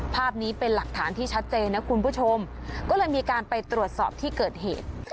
ภาพนี้เป็นหลักฐานที่ชัดเจนนะคุณผู้ชมก็เลยมีการไปตรวจสอบที่เกิดเหตุ